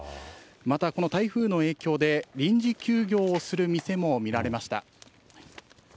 またこの台風の影響で、臨時休業をする店も見られました。